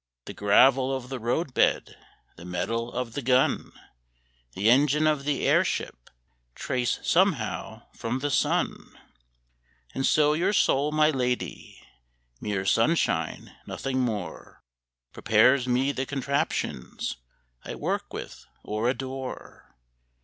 The gravel of the roadbed, The metal of the gun, The engine of the airship Trace somehow from the sun. And so your soul, my lady (Mere sunshine, nothing more) Prepares me the contraptions I work with or adore.